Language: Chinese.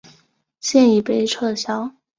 现已被撤销。